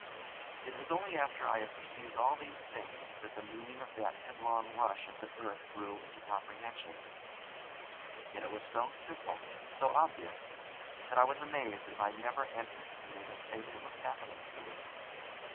It was only after I had perceived all these things that the meaning of that headlong rush of the earth grew into comprehension. Yet it was so simple, so obvious, that I was amazed at my never anticipating the thing that was happening to me.